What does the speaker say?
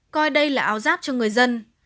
coi đây là áo giáp cho người dân